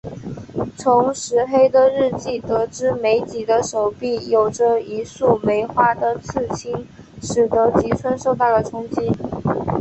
从石黑的日记得知美几的手臂有着一束梅花的刺青使得吉村受到了冲击。